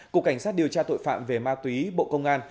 cục cảnh sát điều tra tội phạm về ma túy bộ công an